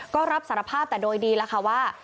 ก็รับสารภาพแต่โดยดีแล้วค่ะว่า